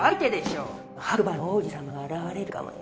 白馬の王子様が現れるかもよ。